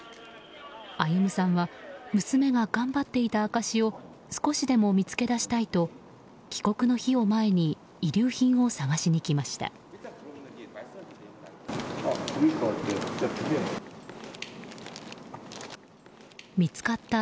歩さんは娘が頑張っていた証しを少しでも見つけ出したいと帰国の日を前に遺留品を探しに来ました。